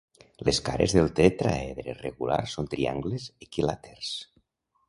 Les cares del tetraedre regular són triangles equilàters.